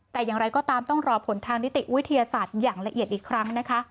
แต่อย่างไรก็ตามต้องรอผลทางนิติวิทยาศาสตร์อย่างละเอียดอีกครั้งนะคะ